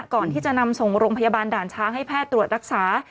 ก่อนที่จะนำส่งโรงพยาบาลด่านช้างให้แพทย์ตรวจรักษา